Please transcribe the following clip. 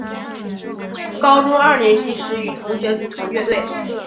高中二年级时与同学组成乐队。